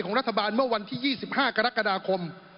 รัฐบาลเมื่อวันที่๒๕กรกฎาคม